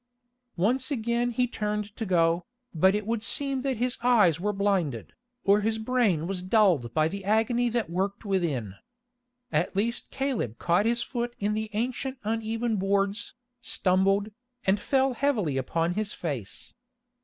Once again he turned to go, but it would seem that his eyes were blinded, or his brain was dulled by the agony that worked within. At least Caleb caught his foot in the ancient uneven boards, stumbled, and fell heavily upon his face.